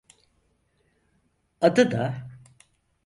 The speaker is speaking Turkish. Adı da…